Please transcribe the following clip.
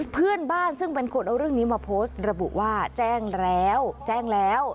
เพื่อนบ้านซึ่งเป็นคนเอาเรื่องนี้มาโพสต์ระบุว่าแจ้งแล้วแจ้งแล้ว